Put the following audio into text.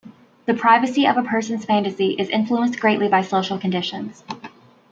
The privacy of a person's fantasy is influenced greatly by social conditions.